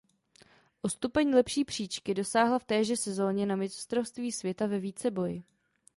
O stupeň lepší příčky dosáhla v téže sezóně na Mistrovství světa ve víceboji.